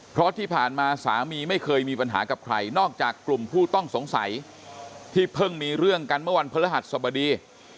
เพราะที่ผ่านมาสามีไม่เคยมีปัญหากับใครนอกจากกลุ่มผู้ต้องสงสัยที่เพิ่งมีเรื่องกันเมื่อวันพฤหัสสบดี